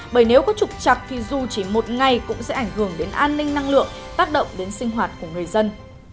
bởi nếu có trục chặt thì dù chỉ một ngày cũng sẽ ảnh hưởng đến an ninh năng lượng tác động đến sinh hoạt của người dân